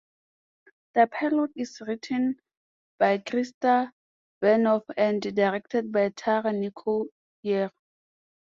The pilot is written by Krista Vernoff and directed by Tara Nicole Weyr.